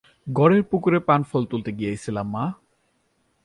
গড়ের পুকুরে পানফল তুলতে গিাইছিলাম মা।